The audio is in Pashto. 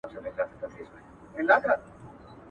زه به اوس دا توري سترګي په کوم ښار کي بدلومه.